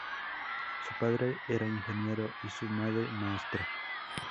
Su padre era ingeniero y su madre, maestra.